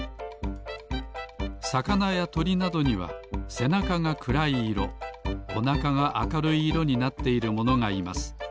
さかなやとりなどにはせなかがくらい色おなかがあかるい色になっているものがいます